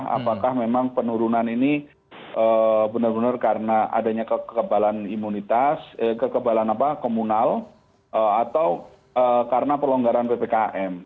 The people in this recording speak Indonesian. apakah memang penurunan ini benar benar karena adanya kekebalan imunitas kekebalan komunal atau karena pelonggaran ppkm